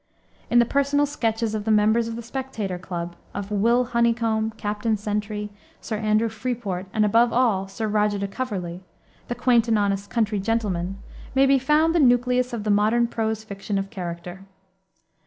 In the personal sketches of the members of the Spectator Club, of Will Honeycomb, Captain Sentry, Sir Andrew Freeport, and, above all, Sir Roger de Coverley, the quaint and honest country gentleman, may be found the nucleus of the modern prose fiction of character.